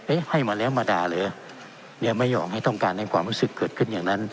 ให้มาแล้วมาด่าเหรอยังไม่ยอมให้ต้องการให้ความรู้สึกเกิดขึ้นอย่างนั้น